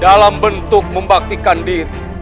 dalam bentuk membaktikan diri